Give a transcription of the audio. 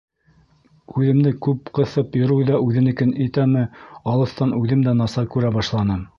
Күҙемде күп ҡыҫып йөрөү үҙенекен итәме, алыҫтан үҙем дә насар күрә башланым.